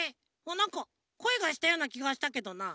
なんかこえがしたようなきがしたけどな。